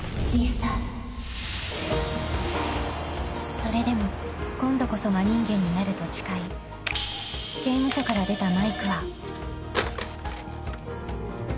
［それでも今度こそ真人間になると誓い刑務所から出たマイクは］